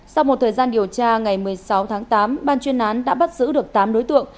sau một thời gian điều tra ngày một mươi sáu tháng tám ban chuyên án đã bắt giữ được tám đối tượng